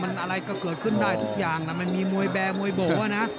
มันอะไรก็เกิดขึ้นได้ทุกอย่างนะ